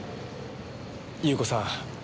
優子さん